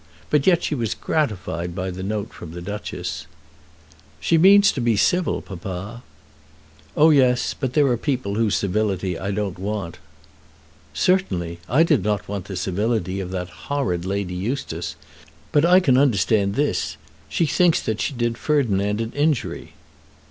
But yet she was gratified by the note from the Duchess. "She means to be civil, papa." "Oh yes; but there are people whose civility I don't want." "Certainly. I did not want the civility of that horrid Lady Eustace. But I can understand this. She thinks that she did Ferdinand an injury."